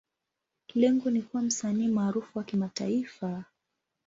Lengo ni kuwa msanii maarufu wa kimataifa.